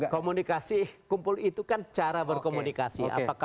komunikasi kumpul itu kan cara berkomunikasi